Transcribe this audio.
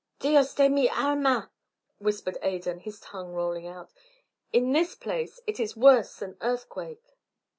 "Dios de mi alma!" whispered Adan, his tongue rolling out. "In this place! It is worse than earthquake."